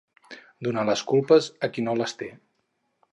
Donar les culpes a qui no les té.